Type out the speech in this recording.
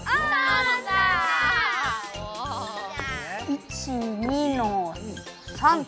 １２の３と。